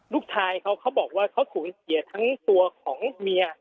ลูกชายเขาเขาบอกว่าเขาสูญเสียทั้งตัวของเมีย